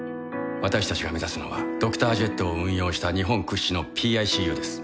私たちが目指すのはドクタージェットを運用した日本屈指のＰＩＣＵです。